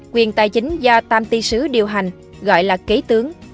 quyền tài chính do tam ti sứ điều hành gọi là kế tướng